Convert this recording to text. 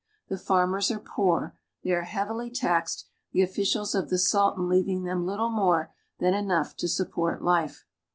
The farmers arc poor; they are heavily taxed, the officials of the Sultan leaving them little more than enough to sup port life.